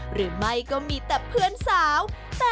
หรือไม่ก็มีแต่เพื่อนสาว